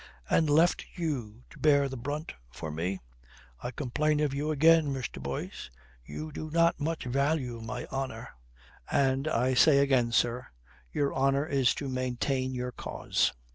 "And left you to bear the brunt for me? I complain of you again, Mr. Boyce you do not much value my honour." "And I say again, sir, your honour is to maintain your cause.